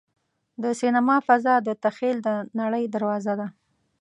د سینما فضا د تخیل د نړۍ دروازه ده.